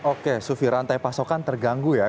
oke sufi rantai pasokan terganggu ya